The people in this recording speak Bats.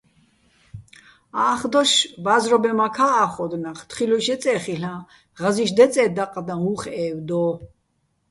ა́ხდოშ ბა́ზრობენმაქა́ ა́ხოდო̆ ნახ, თხილუშ ჲეწე́ ხილ'აჼ, ღაზი́შ დეწე́ დაყყდაჼ უ̂ხ ე́ვდო́.